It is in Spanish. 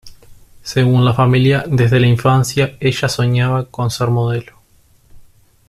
Según la familia, desde la infancia ella soñaba con ser modelo.